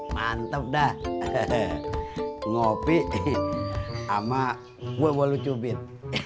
mantap dah ngopi ama gue walu cubit